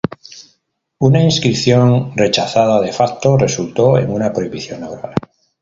Una inscripción rechazada de facto resultó en una prohibición laboral.